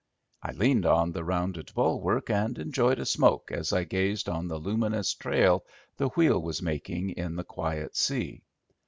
I leaned on the rounded bulwark and enjoyed a smoke as I gazed on the luminous trail the wheel was making in the quiet sea.